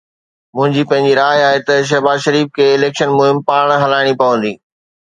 منهنجي پنهنجي راءِ آهي ته شهباز شريف کي اليڪشن مهم پاڻ هلائڻي پوندي.